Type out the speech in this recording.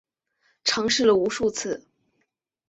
尝试了无数次